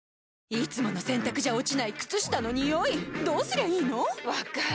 いつもの洗たくじゃ落ちない靴下のニオイどうすりゃいいの⁉分かる。